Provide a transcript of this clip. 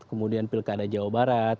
kemudian pilkada jawa barat